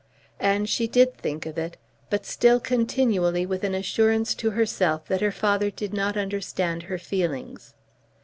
And she did think of it; but still continually with an assurance to herself that her father did not understand her feelings.